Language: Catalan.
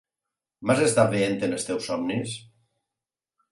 M'has estat veient en els teus somnis?